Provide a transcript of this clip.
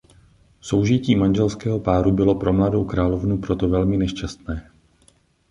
Soužití manželského páru bylo pro mladou královnu proto velmi nešťastné.